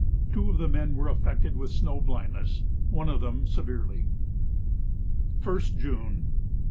Two of the men were affected with snow blindness one of them severely. 1st June.